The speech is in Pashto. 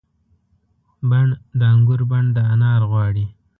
بڼ د انګور بڼ د انار غواړي